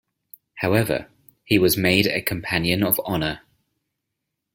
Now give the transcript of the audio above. However, he was made a Companion of Honour.